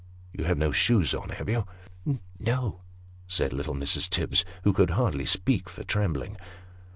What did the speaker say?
You have no shoes on, have you ?"" No," said little Mrs. Tibbs, who could hardly speak for trembling.